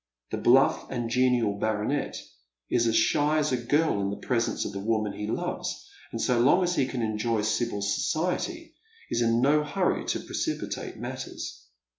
The bluff and genial baronet is as shy as a girl in the presence of the woman he loves, and so long as he can enjoy Sibyl's society, is in no hurry to precipitate matters.